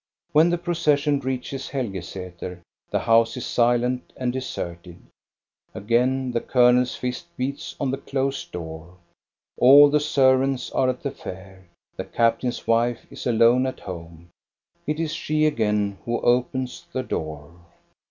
When the procession reaches Helgesater, the house is silent and deserted. Again the colonel's fist beats on the closed door. All the servants are 28 434 THE STORY OF GO ST A BE RUNG at the Fair; the captain's wife is alone at home. It is she again who opens the door.